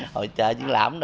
hội chợ chuyên lãm